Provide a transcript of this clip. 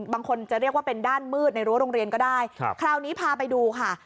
บางคนจะเรียกว่าเป็นด้านมืดในรั้วโรงเรียนก็ได้ครับคราวนี้พาไปดูค่ะ